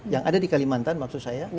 yang ada di kalimantan maksud saya